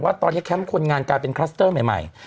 ว่าตอนนี้แคมป์คนงานกลายเป็นคลัสเตอร์ใหม่